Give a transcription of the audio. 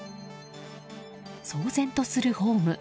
騒然とするホーム。